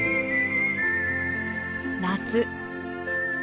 夏。